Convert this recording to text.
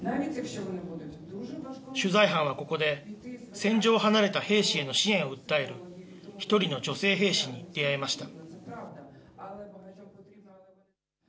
取材班はここで、戦場を離れた兵士への支援を訴える、１人の女性兵士に出会いました。